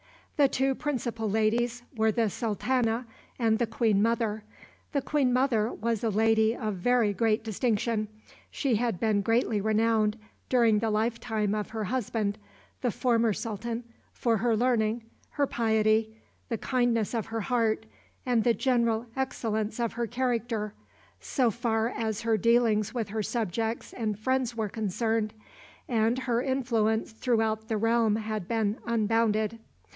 The two principal ladies were the sultana and the queen mother. The queen mother was a lady of very great distinction. She had been greatly renowned during the lifetime of her husband, the former sultan, for her learning, her piety, the kindness of her heart, and the general excellence of her character, so far as her dealings with her subjects and friends were concerned, and her influence throughout the realm had been unbounded.